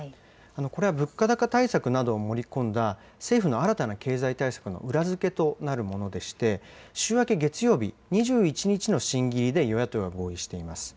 これは物価高対策などを盛り込んだ政府の新たな経済対策の裏付けとなるものでして、週明け月曜日２１日の審議入りで与野党は合意しています。